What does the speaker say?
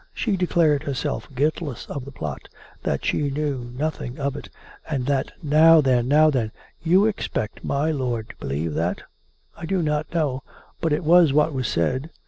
"" She declared herself guiltless of the plot ... that she knew nothing of it; and that "" Now then; now then. You expect my lord to believe that? "" I do not know. ... But it was what was said."